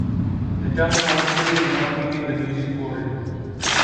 The term hardcore is not new in the music world.